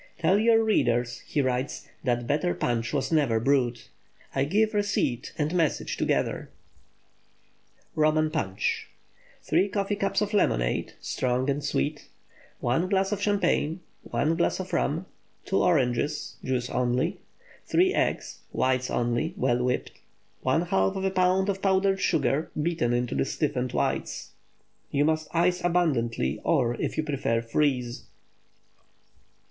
"Tell your readers," he writes, "that better punch was never brewed." I give receipt and message together. ROMAN PUNCH. 3 coffee cups of lemonade—(strong and sweet.) 1 glass champagne. 1 glass rum. 2 oranges—juice only. 2 eggs—whites only—well whipped. ½ lb. powdered sugar, beaten into the stiffened whites. You must ice abundantly—or, if you prefer, freeze.